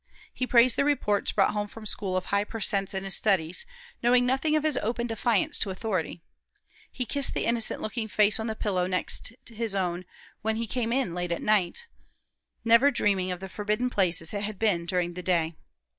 He praised the reports brought home from school of high per cents in his studies, knowing nothing of his open defiance to authority. He kissed the innocent looking face on the pillow next his own when he came in late at night, never dreaming of the forbidden places it had been during the day.